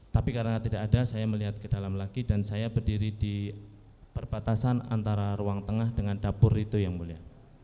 tapi karena tidak ada saya melihat ke dalam lagi dan saya berdiri di perbatasan antara ruang tengah dengan dapur itu yang mulia